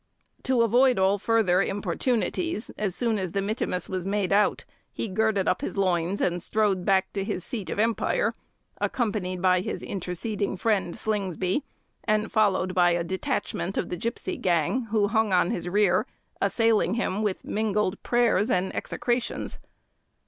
To avoid all further importunities, as soon as the mittimus was made out, he girded up his loins, and strode back to his seat of empire, accompanied by his interceding friend, Slingsby, and followed by a detachment of the gipsy gang, who hung on his rear, assailing him with mingled prayers and execrations.